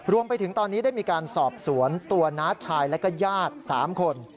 รวมไปถึงตอนนี้ได้มีการสอบสวนตัวน้าชายและก็ญาติ๓คน